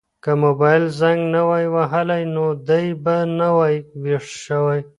که موبایل زنګ نه وای وهلی نو دی به نه وای ویښ شوی.